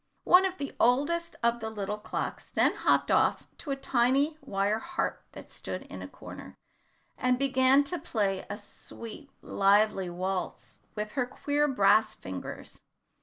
One of the oldest of the little clocks then hopped off to a tiny wire harp that stood in a corner, and began to play a sweet lively waltz with her queer brass fingers.